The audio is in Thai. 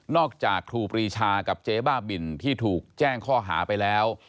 จากครูปรีชากับเจ๊บ้าบินที่ถูกแจ้งข้อหาไปแล้ว